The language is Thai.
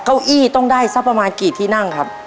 เก้าอี้ต้องได้สักประมาณกี่ที่นั่งครับ